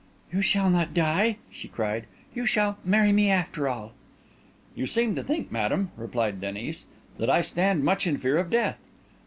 "You shall not die!" she cried, "you shall marry me after all." "You seem to think, madam," replied Denis, "that I stand much in fear of death."